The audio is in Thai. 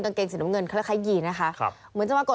กางเกงสีน้ำเงินคล้ายคล้ายยีนะคะครับเหมือนจะมากด